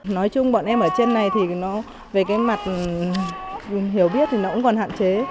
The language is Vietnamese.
nói chung bọn em ở trên này thì nó về cái mặt hiểu biết thì nó cũng còn hạn chế